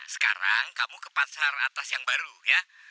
sekarang kamu ke pasar atas yang baru ya